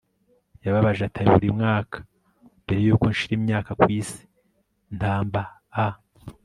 yababaje ati buri mwaka, mbere yuko nshira imyaka ku isi, ntamba a